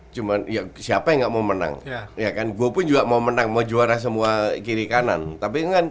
cuman ya siapa yang nggak mau menang ya kan gue pun juga mau menang mau juara semua kiri kanan tapi kan